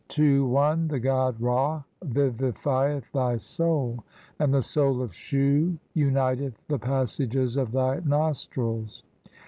II. (i) The god Ra vivifieth thy soul, "and the soul of Shu uniteth the passages of thy "nostrils."